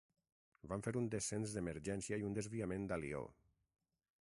Van fer un descens d'emergència i un desviament a Lió.